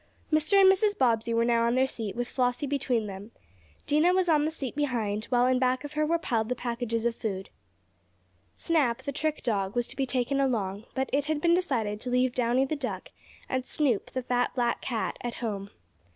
Mr. and Mrs. Bobbsey were now on their seat, with Flossie between them. Dinah was on the seat behind, while in back of her were piled the packages of food. Snap, the trick dog, was to be taken along, but it had been decided to leave Downy the duck, and Snoop, the fat, black cat at home.